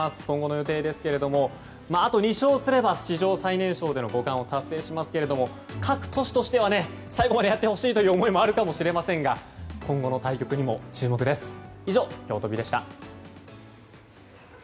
今後の予定ですがあと２勝すれば史上最年少での五冠を達成しますが、各都市としては最後までやってほしい思いもあるかもしれませんが今後の対局にも注目です。